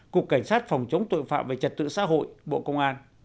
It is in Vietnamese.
cục cảnh sát phòng chống tội phạm về trật tự xã hội bộ công an